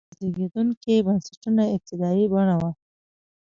سلسله مراتبو او زبېښونکو بنسټونو ابتدايي بڼه وه.